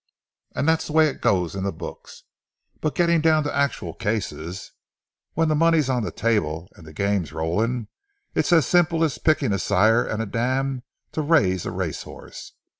And that's the way it goes in the books. But getting down to actual cases—when the money's on the table and the game's rolling—it's as simple as picking a sire and a dam to raise a race horse.